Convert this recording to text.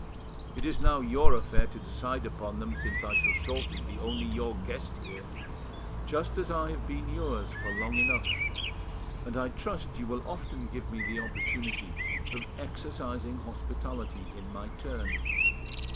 It is now your affair to decide upon them, since I shall shortly be only your guest here." "Just as I have been yours for long enough, and I trust you will often give me the opportunity of exercising hospitality in my turn.